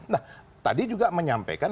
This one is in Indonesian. nah tadi juga menyampaikan